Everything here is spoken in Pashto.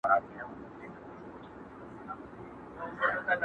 o تر ورخ تېري اوبه بيرته نه را گرځي!